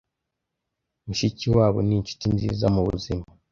mushikiwabo ni inshuti nziza mubuzima